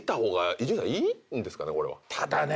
ただね